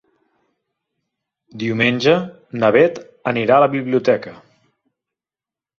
Diumenge na Bet anirà a la biblioteca.